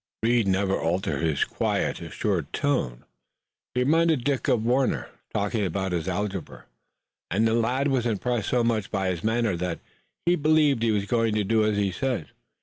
Reed never altered his quiet, assured tone. He reminded Dick of Warner, talking about his algebra, and the lad was impressed so much by his manner that he believed he was going to do as he said.